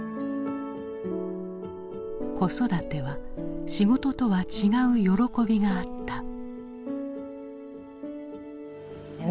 子育ては仕事とは違う喜びがあった。